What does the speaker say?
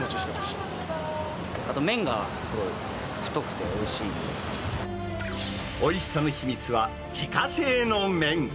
あと麺がすごい太くて、おいしさの秘密は、自家製の麺。